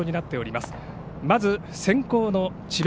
まず先攻の智弁